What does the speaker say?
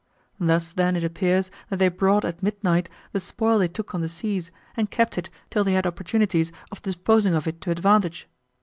Thus then, it appears, that they brought at midnight, the spoil they took on the seas, and kept it till they had opportunities of disposing of it to advantage.